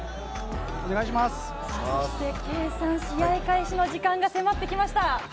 圭さん、試合開始の時間が迫ってきました。